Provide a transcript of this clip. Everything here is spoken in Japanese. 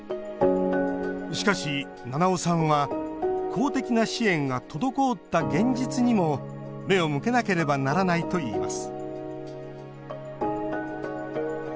しかし、七尾さんは公的な支援が滞った現実にも目を向けなければならないと言います